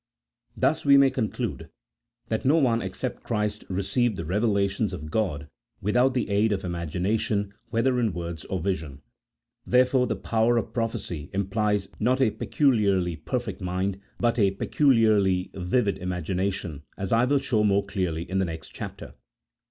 Thus we may conclude that no one except Christ re ceived the revelations of God without the aid of imagina tion, whether in words or vision. Therefore the power of prophecy implies not a peculiarly perfect mind, but a peculiarly vivid imagination, as I will show more clearly in the next chapter.